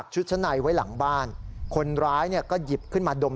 ชุดชั้นในไว้หลังบ้านคนร้ายเนี่ยก็หยิบขึ้นมาดม